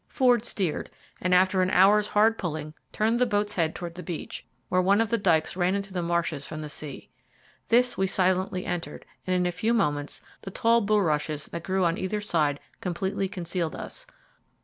Ford steered, and, after an hour's hard pulling, turned the boat's head towards the beach, where one of the dykes ran into the marshes from the sea. This we silently entered, and in a few moments the tall bulrushes that grew on either side completely concealed us.